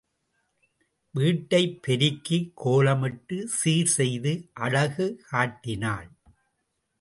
வீட்டைப் பெருக்கிக் கோலமிட்டுச் சீர் செய்து அழகு காட்டினாள்.